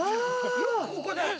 よくここで。